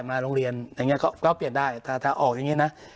มาโรงเรียนเปลี่ยนได้แต่ถ้าออกอย่างนี้